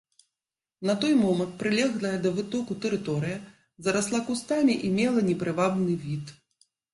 На той момант прылеглая да вытоку тэрыторыя зарасла кустамі і мела непрывабны від.